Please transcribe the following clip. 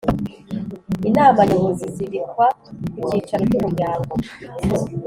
inama nyobozi zibikwa ku cyicaro cy umuryango